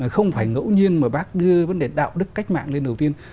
không phải ngẫu nhiên mà bác đưa vấn đề đạo đức cách mạng lên đầu tiên